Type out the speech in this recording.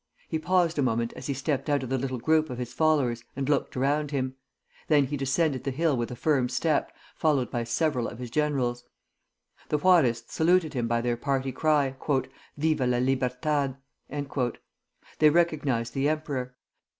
He paused a moment as he stepped out of the little group of his followers and looked around him. Then he descended the hill with a firm step, followed by several of his generals. The Juarists saluted him by their party cry, "Viva la libertad!" They recognized the emperor.